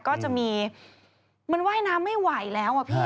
ก็จะมีมันว่ายน้ำไม่ไหวแล้วอะพี่